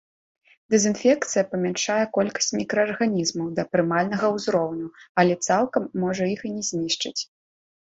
Дэзінфекцыя памяншае колькасць мікраарганізмаў да прымальнага ўзроўню, але цалкам можа іх і не знішчыць.